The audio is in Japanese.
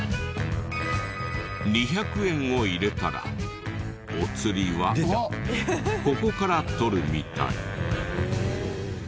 ２００円を入れたらお釣りはここから取るみたい。